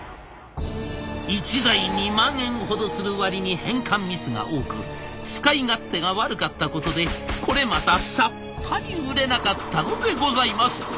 １台２万円ほどするわりに変換ミスが多く使い勝手が悪かったことでこれまたさっぱり売れなかったのでございます。